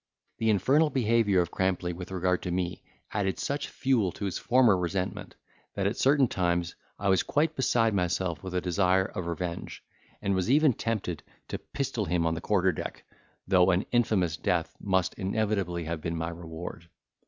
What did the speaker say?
The infernal behaviour of Crampley, with regard to me, added such fuel to his former resentment, that, at certain times, I was quite beside myself with the desire of revenge, and was even tempted to pistol him on the quarter deck, though an infamous death must inevitably have been my reward.